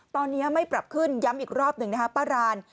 ตอนนี้ไม่ปรับขึ้นย้ำอีกรอบหนึ่งนะคะป้าราน